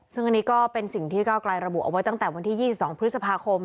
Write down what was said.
ซึ่งอันนี้ก็เป็นสิ่งที่เก้าไกลระบุเอาไว้ตั้งแต่วันที่๒๒พฤษภาคม